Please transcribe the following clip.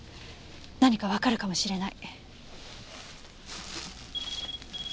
何かわかるかもしれない。